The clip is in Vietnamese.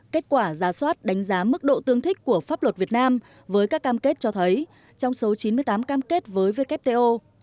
kết quả giả soát đánh giá mức độ tương thích của pháp luật việt nam với các cam kết cho thấy trong số chín mươi tám cam kết với wto